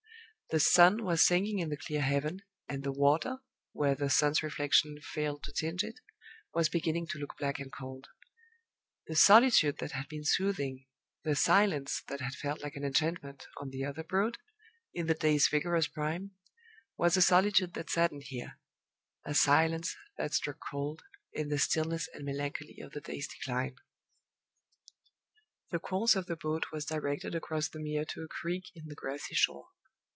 The sun was sinking in the clear heaven, and the water, where the sun's reflection failed to tinge it, was beginning to look black and cold. The solitude that had been soothing, the silence that had felt like an enchantment, on the other Broad, in the day's vigorous prime, was a solitude that saddened here a silence that struck cold, in the stillness and melancholy of the day's decline. The course of the boat was directed across the Mere to a creek in the grassy shore.